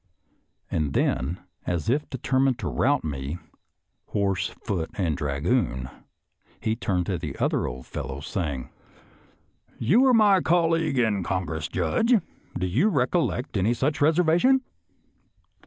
And then, as if determined to rout me " horse, foot and dra goon," he turned to the other old fellow, saying, " You were my colleague in Congress, Judge ; do you recollect any such reservation.?